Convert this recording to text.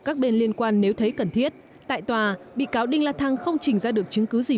các bên liên quan nếu thấy cần thiết tại tòa bị cáo đinh la thăng không trình ra được chứng cứ gì